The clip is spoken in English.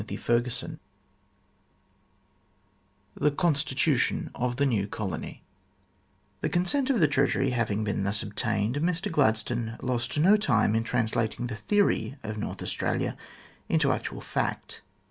CHAPTEE II THE CONSTITUTION OF THE NEW COLONY THE consent of the Treasury having been thus obtained, Mr Gladstone lost no time in translating the theory of North Australia into actual fact.